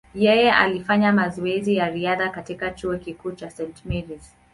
Yeye alifanya mazoezi ya riadha katika chuo kikuu cha St. Mary’s.